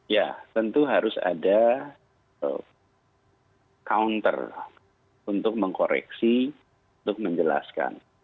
ya tentu harus ada counter untuk mengkoreksi untuk menjelaskan